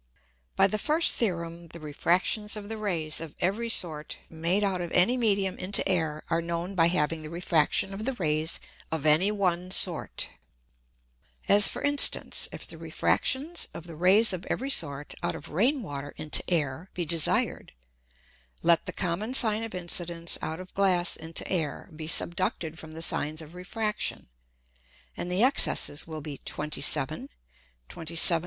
By the first Theorem the Refractions of the Rays of every sort made out of any Medium into Air are known by having the Refraction of the Rays of any one sort. As for instance, if the Refractions of the Rays of every sort out of Rain water into Air be desired, let the common Sine of Incidence out of Glass into Air be subducted from the Sines of Refraction, and the Excesses will be 27, 27 1/8, 27 1/5, 27 1/3, 27 1/2, 27 2/3, 27 7/9, 28.